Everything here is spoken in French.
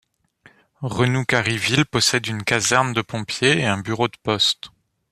Renous-Quarryville possède une caserne de pompiers et un bureau de poste.